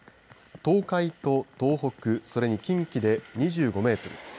東海と、東北それに近畿で２５メートル。